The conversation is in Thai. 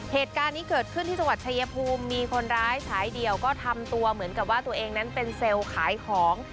เหตุการณ์นี้เกิดขึ้นที่จังหวัดชายภูมิมีคนร้ายสายเดี่ยวก็ทำตัวเหมือนกับว่าตัวเองนั้นเป็นเซลล์ขายของ